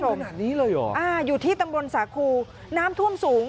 ขนาดนี้เลยเหรออ่าอยู่ที่ตำบลสาคูน้ำท่วมสูง